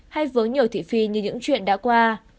hay vướng nhiều thị phi như những chuyện đã qua